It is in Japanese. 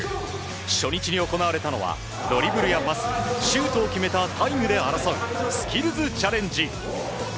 初日に行われたのはドリブルやパスシュートを決めたタイムで争うスキルズチャレンジ。